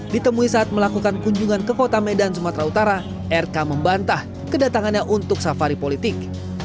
ditemui saat melakukan kunjungan ke kota medan sumatera utara rk membantah kedatangannya untuk safari politik